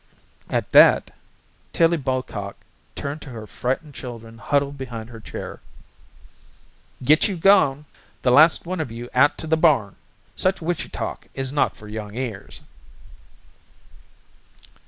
At that Tillie Bocock turned to her frightened children huddled behind her chair. "Get you gone, the last one of you out to the barn. Such witchy talk is not for young ears."